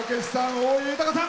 大江裕さん